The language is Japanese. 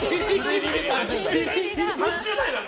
３０代なの？